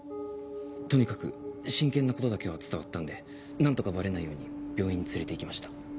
とにかく真剣なことだけは伝わったんで何とかバレないように病院に連れて行きました。